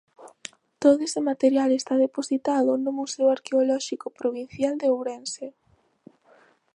Todo este material está depositado no Museo Arqueolóxico Provincial de Ourense.